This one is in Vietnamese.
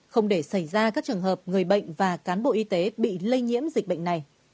không để xảy ra các trường hợp người bệnh và cán bộ y tế bị lây nhiễm dịch bệnh này